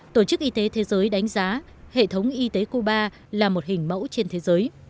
tổ chức y tế thế giới đánh giá hệ thống y tế cuba là một hình mẫu trên thế giới